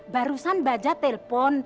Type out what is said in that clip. barusan bajah telpon